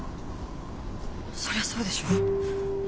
そりゃそうでしょ。